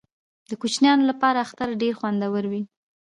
د کوچنیانو لپاره اختر ډیر خوندور وي.